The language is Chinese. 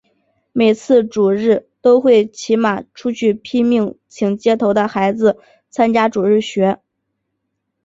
每次主日都会骑马出去拼命请街头的孩子参加主日学。